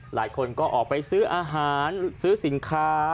หลายคนก็ออกไปซื้ออาหารซื้อสินค้า